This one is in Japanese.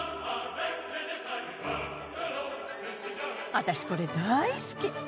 私これだい好き！